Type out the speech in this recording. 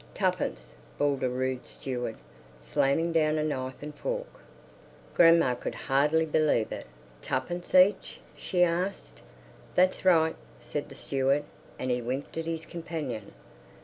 "Tuppence!" bawled a rude steward, slamming down a knife and fork. Grandma could hardly believe it. "Twopence each?" she asked. "That's right," said the steward, and he winked at his companion.